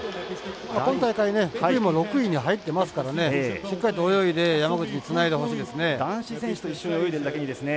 今大会、福井も６位に入ってますからねしっかりと泳いで山口につないでほしいですね。